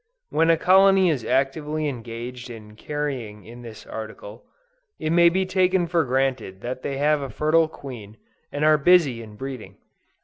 When a colony is actively engaged in carrying in this article, it may be taken for granted that they have a fertile queen, and are busy in breeding.